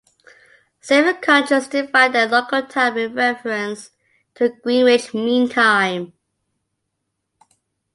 Several countries define their local time by reference to Greenwich Mean Time.